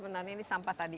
nah ini sampah tadi